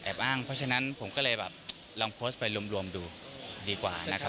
อ้างเพราะฉะนั้นผมก็เลยแบบลองโพสต์ไปรวมดูดีกว่านะครับ